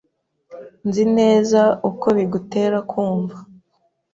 Nzi neza uko bigutera kumva.